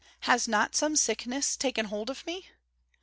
Has not some sickness taken hold of me?"